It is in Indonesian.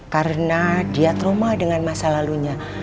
karena dia trauma dengan masa lalunya